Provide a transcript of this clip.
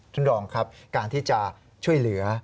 ท่านรองครับการที่จะช่วยเหลือ